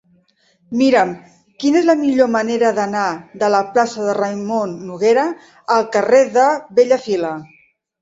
Mira'm quina és la millor manera d'anar de la plaça de Raimon Noguera al carrer de Bellafila.